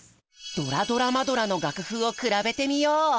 「ドラドラマドラ！」の楽譜を比べてみよう！